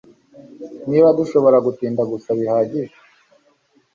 Niba dushobora gutinda gusa bihagije